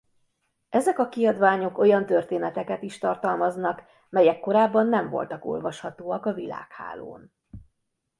Ezek a kiadványok olyan történeteket is tartalmaznak melyek korábban nem voltak olvashatóak a világhálón.